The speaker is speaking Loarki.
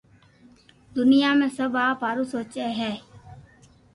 دنيا ۾ سب آپ ھارون سوچي ھي